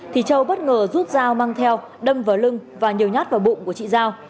thì châu bất ngờ rút dao mang theo đâm vào lưng và nhiều nhát vào bụng của chị giao